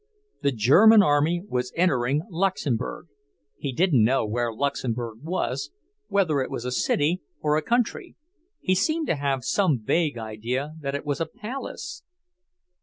The German army was entering Luxembourg; he didn't know where Luxembourg was, whether it was a city or a country; he seemed to have some vague idea that it was a palace!